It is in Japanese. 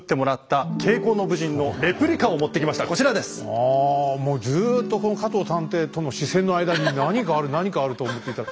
ああもうずっとこの加藤探偵との視線の間に何かある何かあると思ってた。